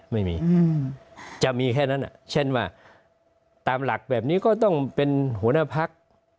ไม่มีจะมีแค่นั้นเช่นว่าตามหลักแบบนี้ก็ต้องเป็นหัวหน้าพัก